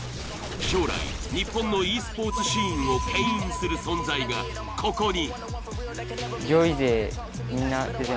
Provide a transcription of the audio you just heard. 将来日本のｅ−Ｓｐｏｒｔｓシーンをけん引する存在がここに。